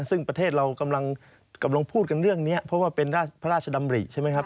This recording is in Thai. ซึ่งประเทศเรากำลังพูดกันเรื่องนี้เพราะว่าเป็นพระราชดำริใช่ไหมครับ